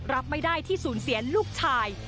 รับไม่ได้ที่สูญเสียลูกชาย